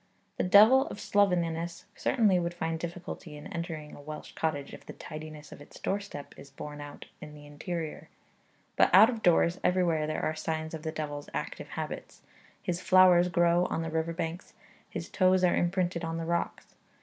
The devil of slovenliness certainly would find difficulty in entering a Welsh cottage if the tidiness of its doorstep is borne out in the interior. But out of doors everywhere there are signs of the devil's active habits. His flowers grow on the river banks; his toes are imprinted on the rocks.